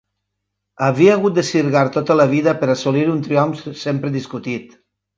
Havia hagut de sirgar tota la vida per a assolir un triomf sempre discutit.